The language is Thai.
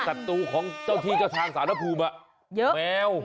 สัตว์ตัวของเจ้าที่เจ้าทางสานภูมิ